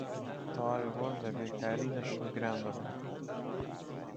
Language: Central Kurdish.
تەواوی ڕۆژ لە بێکاری لەشم گران دەبوو